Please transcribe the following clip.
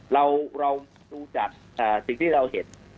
เราดูจากสิ่งที่เราเห็น